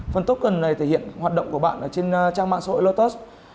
phần token này thể hiện hoạt động của bạn trên trang mạng xã hội lotus